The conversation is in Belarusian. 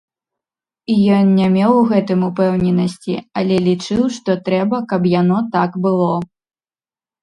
Ён не меў у гэтым упэўненасці, але лічыў, што трэба, каб яно так было.